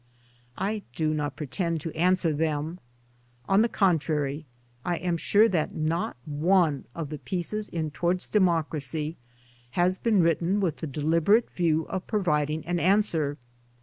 I do not pretend to answer them. On the contrary I am sure that not one of the pieces in "Towards Democracy " has been written with the deliberate view of pro viding an answer.